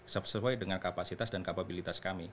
sesuai dengan kapasitas dan kapabilitas kami